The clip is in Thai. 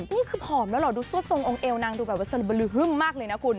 นี่คือผอมแล้วเหรอดูซั่วทรงองค์เอวนางดูแบบว่าสลบลือฮึ่มมากเลยนะคุณ